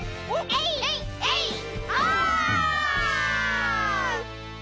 エイエイオ！